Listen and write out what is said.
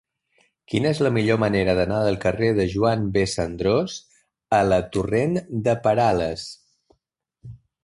Quina és la millor manera d'anar del carrer de Joan B. Cendrós a la torrent de Perales?